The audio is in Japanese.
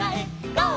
「ゴー！